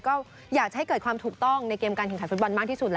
ก็อยากจะให้เกิดความถูกต้องในเกมการแข่งขันฟุตบอลมากที่สุดแหละ